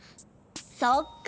そっか。